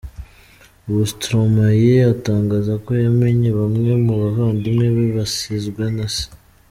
Ubu Stromae atangaza ko yamenye bamwe mu bavandimwe be basizwe na se.